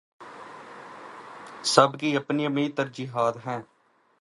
سب کی اپنی اپنی ترجیحات ہیں۔